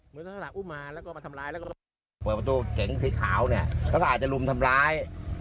เปิดประตูเก่งสีขาวเนี่ยเขาอาจจะลุมทำร้าย